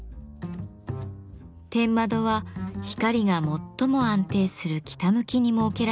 天窓は光が最も安定する北向きに設けられています。